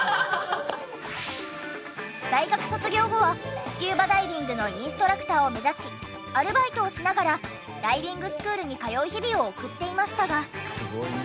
大学卒業後はスキューバダイビングのインストラクターを目指しアルバイトをしながらダイビングスクールに通う日々を送っていましたが。